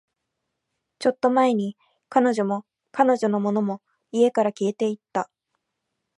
ちょっと前に、彼女も、彼女のものも、家から消えていった